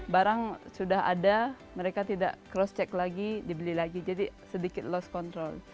barang sudah ada mereka tidak cross check lagi dibeli lagi jadi sedikit lost control